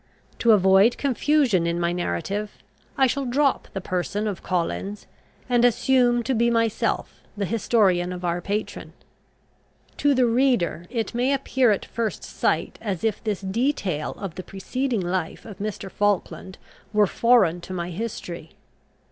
To avoid confusion in my narrative, I shall drop the person of Collins, and assume to be myself the historian of our patron. To the reader it may appear at first sight as if this detail of the preceding life of Mr. Falkland were foreign to my history.